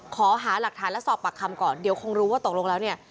ขอหาหลักฐานและสอบปากคำก่อนเดี๋ยวคงรู้ว่าตกลงแล้วเนี่ย